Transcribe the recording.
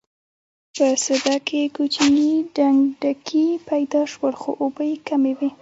په سده کې کوچني ډنډکي پیدا شول خو اوبه یې کمې وې.